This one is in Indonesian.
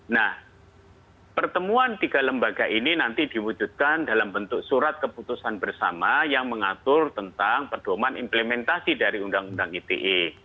nah pertemuan tiga lembaga ini nanti diwujudkan dalam bentuk surat keputusan bersama yang mengatur tentang perdoman implementasi dari undang undang ite